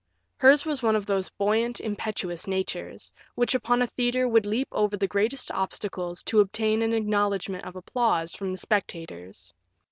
Hers was one of those buoyant, impetuous natures, which upon a theatre would leap over the greatest obstacles to obtain an acknowledgement of applause from the spectators.